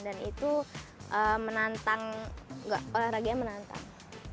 dan itu menantang olahraganya menantang